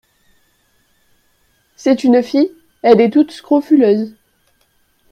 C'est une fille, elle est toute scrofuleuse.